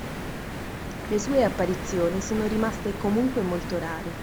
Le sue apparizioni sono rimaste comunque molto rare.